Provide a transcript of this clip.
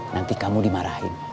nanti kamu dimarahin